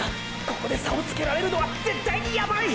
ここで差をつけられるのは絶対にヤバい！！